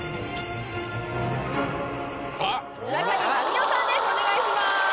お願いします！